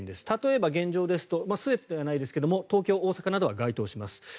例えば、現状ですと全てではないですが東京、大阪などは該当します。